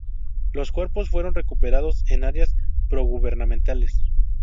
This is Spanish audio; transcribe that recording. Los cuerpos fueron recuperados en áreas pro-gubernamentales.